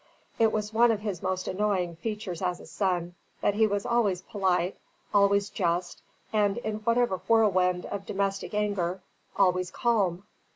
It was one of his most annoying features as a son, that he was always polite, always just, and in whatever whirlwind of domestic anger, always calm.